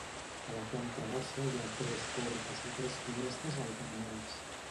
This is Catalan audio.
A la planta baixa hi ha tres portes i tres finestres alternades.